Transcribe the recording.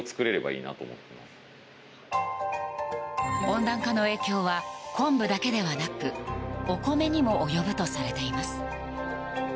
温暖化の影響は昆布だけではなくお米にも及ぶとされています。